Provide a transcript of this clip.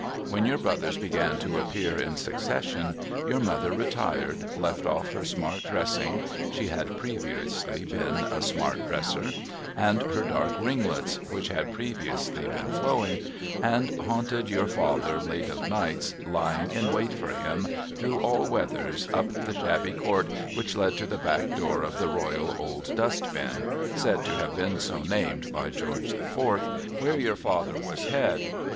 When your brothers began to appear in succession, your mother retired, left oft' her smart dressing (she had previously been a smart dresser), and her dark ringlets (which had previously been flowing), and haunted your father late of nights, lying in wait for him, through all weathers, up the shabby court which led to the back door of the Royal Old Dust Bin (said to have been so named by George the Fourth), where your father was Head.